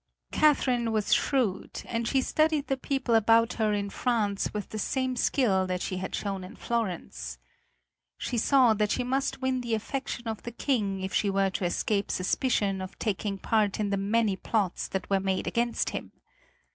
Catherine was shrewd, and she studied the people about her in France with the same skill that she had shown in Florence. She saw that she must win the affection of the king if she were to escape suspicion of taking part in the many plots that were made against him.